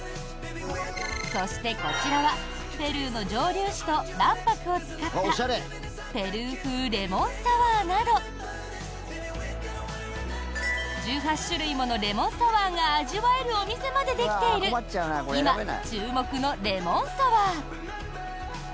そして、こちらはペルーの蒸留酒と卵白を使ったペルー風レモンサワーなど。１８種類ものレモンサワーが味わえるお店までできている今、注目のレモンサワー。